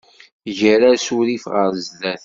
Ger asurif ɣer zzat.